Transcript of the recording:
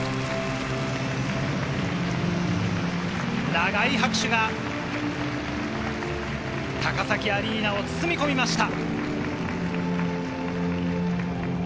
長い拍手が高崎アリーナを包み込みました。